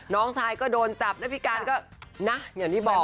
น้องชายก็โดนจับแล้วพี่การก็นะอย่างที่บอก